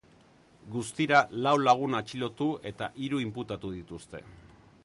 Guztira lau lagun atxilotu eta hiru inputatu dituzte.